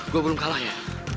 gua belum kalah ya